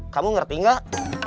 kamu ngerti gak